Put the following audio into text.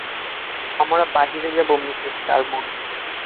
আমরা বাহিরে যাবো, মিসেস কার্মোডি!